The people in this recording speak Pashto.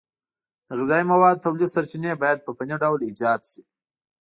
د غذایي موادو تولید سرچینې باید په فني ډول ایجاد شي.